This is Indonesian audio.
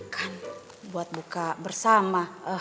kan buat buka bersama